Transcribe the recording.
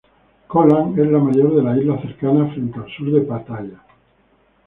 Ko Lan es la mayor de las "islas cercanas", frente al sur de Pattaya.